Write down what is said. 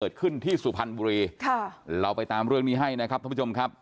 เกิดขึ้นที่สุพรรณบุรีค่ะเราไปตามเรื่องนี้ให้นะครับท่านผู้ชมครับ